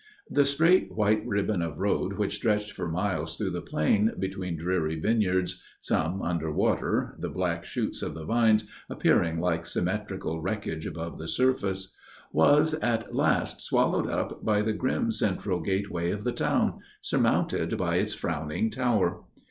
The straight white ribbon of road which stretched for miles through the plain, between dreary vineyards some under water, the black shoots of the vines appearing like symmetrical wreckage above the surface was at last swallowed up by the grim central gateway of the town, surmounted by its frowning tower.